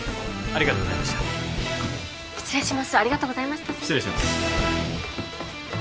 ありがとうございました失礼します